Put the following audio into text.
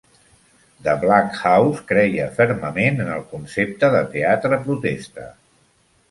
The Black House creia fermament en el concepte de "teatre protesta".